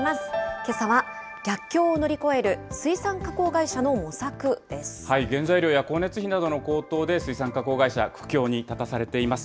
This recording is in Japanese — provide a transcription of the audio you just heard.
けさは、逆境を乗り越える水産加原材料や光熱費などの高騰で、水産加工会社、苦境に立たされています。